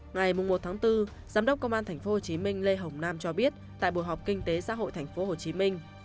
ngày một bốn giám đốc công an tp hcm lê hồng nam cho biết tại buổi họp kinh tế xã hội tp hcm